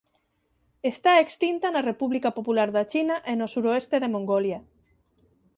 Está extinta na República Popular da China e no suroeste de Mongolia.